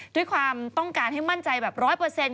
ด้วยความต้องการให้มั่นใจแบบ๑๐๐